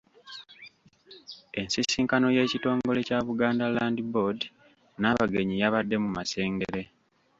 Ensisinkano y'ekitongole kya Buganda Land Board n'abagenyi yabadde mu Masengere.